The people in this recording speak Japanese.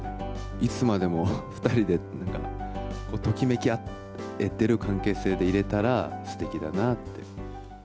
いつまでも２人で、ときめき合えてる関係性でいれたらすてきだなって。